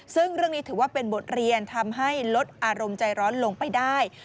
ซึ่งเรื่องนี้ถือว่าเป็นบทเรียนทำให้ลดอารมณ์ใจร้อนลงไปได้